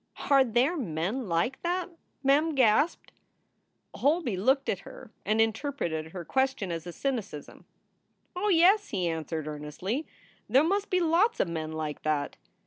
"Are there men like that ?" Mem gasped. Holby looked at her and interpreted her question as a cynicism. "Oh yes," he answered, earnestly. "There must be lots of men like that.